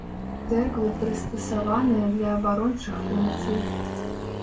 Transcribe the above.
Цэрквы прыстасаваныя для абарончых функцый.